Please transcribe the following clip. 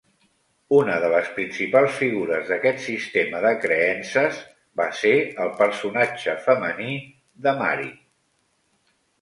Una de les principals figures d'aquest sistema de creences va ser el personatge femení de Mari.